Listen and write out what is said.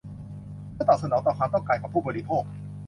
เพื่อตอบสนองต่อความต้องการของผู้บริโภค